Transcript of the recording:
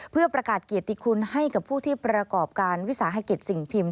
เพื่อประกาศเกียรติคุณให้กับผู้ที่ประกอบการวิสาหกิจสิ่งพิมพ์